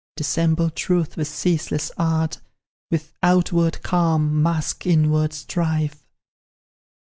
Dissemble truth with ceaseless art, With outward calm mask inward strife?"